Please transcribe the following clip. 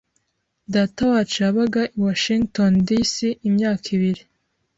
Datawacu yabaga i Washington, D. C. imyaka ibiri.